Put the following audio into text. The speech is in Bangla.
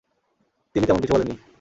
তিনি তেমন কিছু বলেন নি।